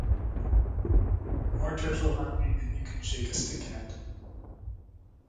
More tertial harmony than you can shake a stick at.